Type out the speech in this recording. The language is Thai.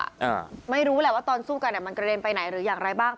อ่าไม่รู้แหละว่าตอนสู้กันอ่ะมันกระเด็นไปไหนหรืออย่างไรบ้าง